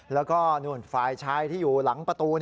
แล้วก็นู่นฝ่ายชายที่อยู่หลังประตู